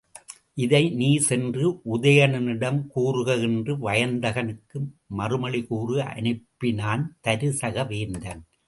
இதை நீ சென்று உதயணனிடம் கூறுக என்று வயந்தகனுக்கு மறுமொழி கூறி அனுப்பினான் தருசக வேந்தன்.